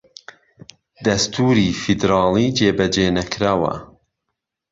دەستووری فیدڕاڵی جێبەجێ نەکراوە